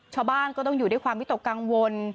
ชาวบ้านก็ต้องอยู่ด้วยความวิตกกังวล